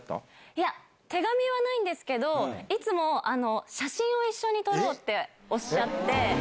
いや、手紙はないんですけど、いつも写真を一緒に撮ろうっておっしゃって。